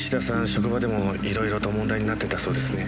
職場でもいろいろと問題になってたそうですね。